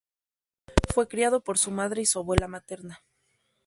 Fue criado por su madre y su abuela materna.